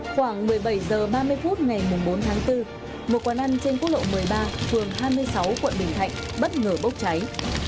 khoảng một mươi bảy h ba mươi phút ngày bốn tháng bốn một quán ăn trên quốc lộ một mươi ba phường hai mươi sáu quận bình thạnh bất ngờ bốc cháy